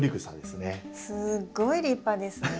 すごい立派ですね。